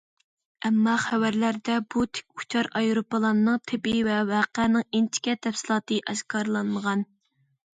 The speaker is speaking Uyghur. ئەمما خەۋەرلەردە بۇ تىك ئۇچار ئايروپىلاننىڭ تىپى ۋە ۋەقەنىڭ ئىنچىكە تەپسىلاتى ئاشكارىلانمىغان.